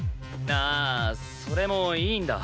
ああそれもいいんだ。